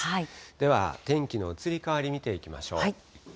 では、天気の移り変わり見ていきましょう。